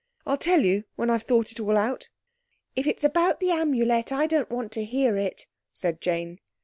"I'll tell you when I've thought it all out." "If it's about the Amulet I don't want to hear it," said Jane.